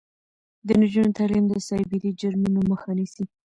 د نجونو تعلیم د سایبري جرمونو مخه نیسي.